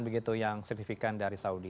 baik tidak ada perubahan yang sertifikan dari saudi